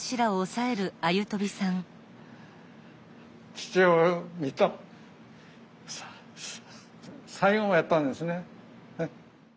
父親を見た最後やったんですね。